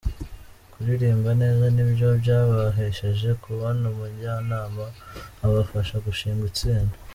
Kuririmba neza nibyo byabahesheje kubona umujyanama, abafasha gushinga itsinda.